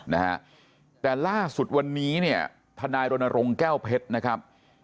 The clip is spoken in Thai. นะฮะแต่ล่าสุดวันนี้เนี่ยทนายรณรงค์แก้วเพชรนะครับ